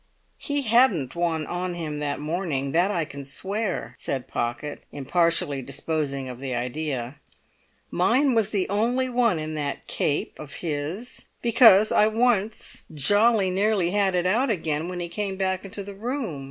"He hadn't one on him that morning; that I can swear," said Pocket, impartially disposing of the idea. "Mine was the only one in that cape of his, because I once jolly nearly had it out again when he came back into the room.